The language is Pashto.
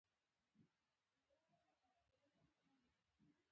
الهي قوانین پر الهي بنده ګانو تطبیق شي.